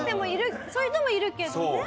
そういう人もいるけどね。